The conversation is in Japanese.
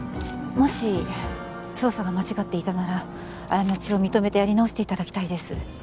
もし捜査が間違っていたなら過ちを認めてやり直していただきたいです。